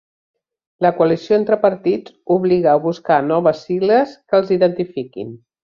La coalició entre partits obliga a buscar noves sigles que els identifiquin